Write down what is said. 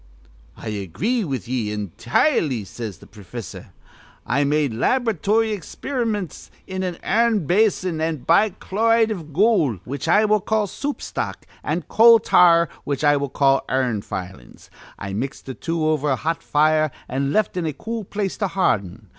'I agree with ye intirely,' says th' profissor, 'I made lab'ratory experiments in an' ir'n basin, with bichloride iv gool, which I will call soup stock, an' coal tar, which I will call ir'n filings. I mixed th' two over a hot fire, an' left in a cool place to harden.